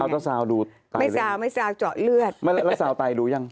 เอาแต่สาวดูตายแรงไม่สาวไม่สาวเจาะเลือดสาวตายรู้ยัง